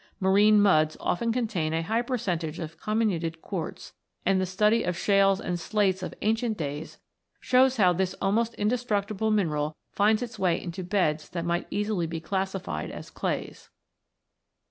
Marine muds often contain a high percentage of comminuted quartz, and the study of shales and slates of ancient days shows how this almost indestructible mineral finds its way into beds that might easily be classified as clays(4i).